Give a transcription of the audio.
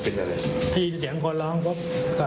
ก็ไม่มีนะครับ